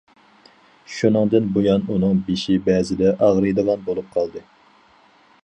شۇنىڭدىن بۇيان ئۇنىڭ بېشى بەزىدە ئاغرىيدىغان بولۇپ قالدى.